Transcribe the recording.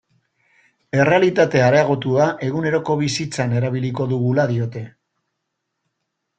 Errealitate areagotua eguneroko bizitzan erabiliko dugula diote.